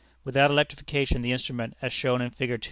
Without electrification the instrument, as shown in Fig.